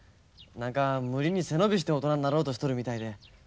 何か無理に背伸びして大人になろうとしとるみたいで。